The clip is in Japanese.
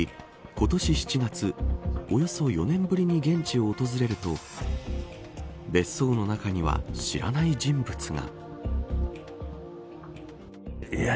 今年７月およそ４年ぶりに現地を訪れると別荘の中には知らない人物が。